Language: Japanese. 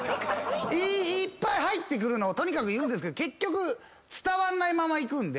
いっぱい入ってくるのをとにかく言うんですけど結局伝わんないままいくんで。